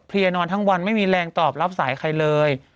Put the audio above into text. นอนทั้งวันไม่มีแรงตอบรับสายใครเลย